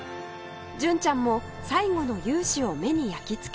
純ちゃんも最後の雄姿を目に焼きつけました